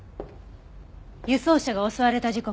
輸送車が襲われた時刻